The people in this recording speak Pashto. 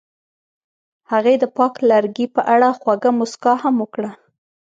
هغې د پاک لرګی په اړه خوږه موسکا هم وکړه.